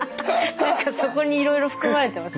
何かそこにいろいろ含まれてます。